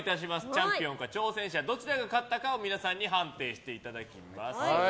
チャンピオンか挑戦者どちらが勝ったかを皆さんに判定していただきます。